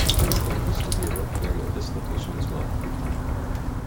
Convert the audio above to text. There used to be a rope ferry at this location as well.